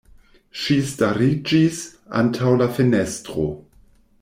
Ŝi stariĝis antaŭ la fenestro.